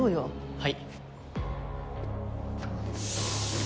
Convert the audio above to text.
はい。